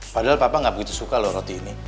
padahal papa nggak begitu suka loh roti ini